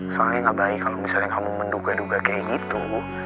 soalnya gak baik kalau misalnya kamu menduga duga kayak gitu